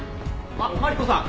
あっマリコさん。